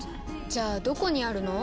じゃあどこにあるの？